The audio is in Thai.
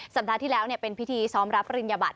สัปดาห์ที่แล้วเป็นพิธีซ้อมรับปริญญบัต